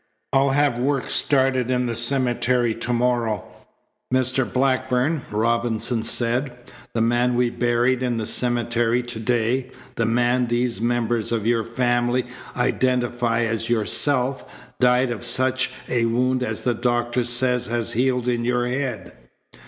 I'll have work started in the cemetery to morrow." "Mr. Blackburn," Robinson said, "the man we buried in the cemetery to day, the man these members of your family identify as yourself, died of just such a wound as the doctor says has healed in your head."